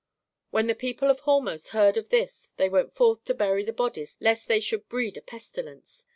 When the people of Hormos heard of this they went forth to bury the bodies lest they should breed a pestilence.